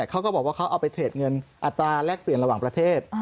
เขาก็บอกว่าเขาเอาไปเทรดเงินอัตราแลกเปลี่ยนระหว่างประเทศ